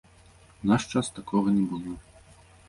У наш час такога не было!